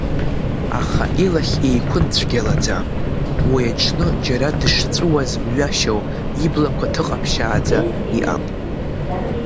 Аха илахь еиқәын цәгьалаӡа, уи аҽны џьара дышҵәыуаз мҩашьо, иблақәа ҭыҟаԥшьааӡа иҟан.